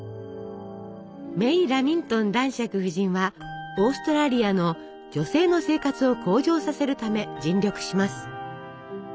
メイ・ラミントン男爵夫人はオーストラリアの女性の生活を向上させるため尽力します。